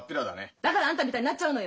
だからあんたみたいになっちゃうのよ！